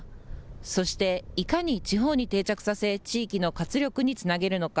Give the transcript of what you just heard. そしていかに地方に定着させ地域の活力につなげるのか。